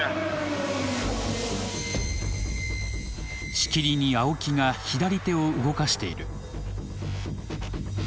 しきりに青木が左手を動かしている。